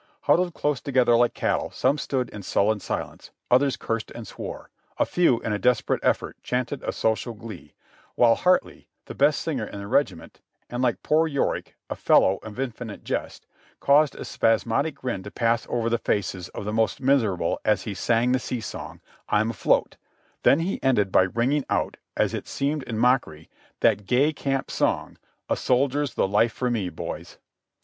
Huddled close together like cattle, some stood in sullen silence, others cursed and swore, a few in a desperate effort chanted a social glee, w'hile Hartley, the best singer in the regiment, and like poor Yorick, "a fellow of infinite jest," caused a spasmodic grin to pass over the faces of the most miser able as he sang the sea song, "I'm afloat," then he ended by ring ing out, as it seemed in mockery, that gay camp song, "A soldier's the life for me, boys."